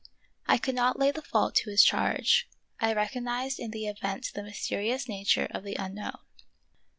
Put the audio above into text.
I could not lay the fault to his charge ; I recog nized in the event the mysterious nature of the Unknown.